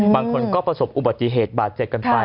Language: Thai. บางคนก็ประสบอุบัติเหตุบาดเจ็บกันไป